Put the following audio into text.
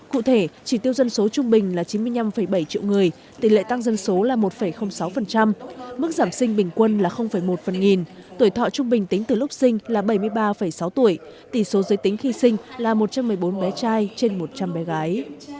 cụ thể chỉ tiêu dân số trung bình là chín mươi năm bảy triệu người tỷ lệ tăng dân số là một sáu mức giảm sinh bình quân là một phần nghìn tuổi thọ trung bình tính từ lúc sinh là bảy mươi ba sáu tuổi tỷ số giới tính khi sinh là một trăm một mươi bốn bé trai trên một trăm linh bé gái